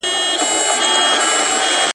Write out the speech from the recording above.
ځان ته ښه وايي، ښه نه کړي، دا څه وايي او څه کړي.